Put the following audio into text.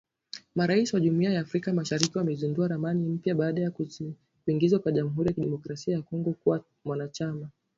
Marais wa Jumuiya ya Africa Mashariki wamezindua ramani mpya baada kuingizwa kwa Jamhuri ya Kidemokrasia ya Kongo kuwa wanachama.